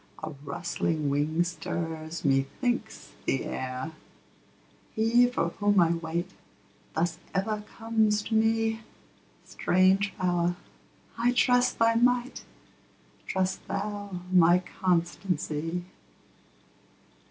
a rustling wing stirs, methinks, the air: He for whom I wait, thus ever comes to me; Strange Power! I trust thy might; trust thou my constancy.